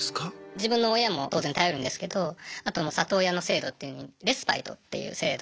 自分の親も当然頼るんですけどあと里親の制度っていうのにレスパイトっていう制度がありまして。